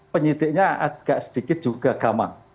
penyidiknya agak sedikit juga gamang